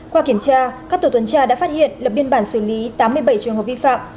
qua kiểm tra các tổ tuần tra đã phát hiện lập biên bản xử lý tám mươi bảy trường hợp vi phạm